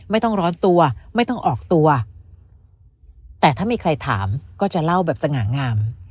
ไม่ต้องร้อนตัวไม่ต้องออกตัวแต่ถ้ามีใครถามก็จะเล่าแบบสง่างาม